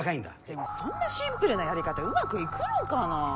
でもそんなシンプルなやり方うまくいくのかなぁ？